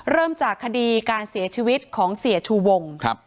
เริ่มจากคดีการเสียชีวิตของเสียชูวงครับ